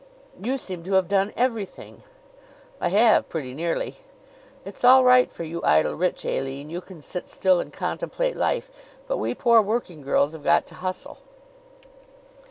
"You seem to have done everything." "I have pretty nearly. It's all right for you idle rich, Aline you can sit still and contemplate life; but we poor working girls have got to hustle."